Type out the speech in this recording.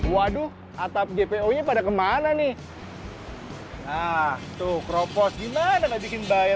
waduh atap gpo pada kemana nih nah tuh kropos gimana nggak bikin bahaya